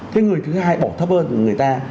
thế người thứ hai bỏ thấp hơn người ta